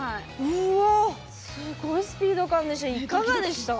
うわすごいスピード感でした。